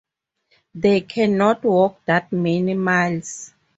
they cannot walk that many miles.